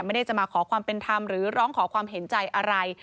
ไม่ได้จะมาขอความเป็นธรรมหรือร้องขอความเห็นใจอะไร